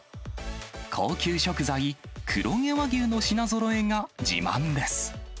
高級食材、黒毛和牛の品ぞろえが自慢です。